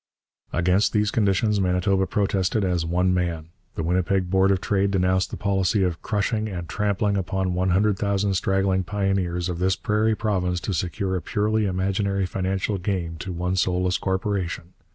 Against these conditions Manitoba protested as one man. The Winnipeg Board of Trade denounced the policy of 'crushing and trampling upon one hundred thousand struggling pioneers of this prairie province to secure a purely imaginary financial gain to one soulless corporation.'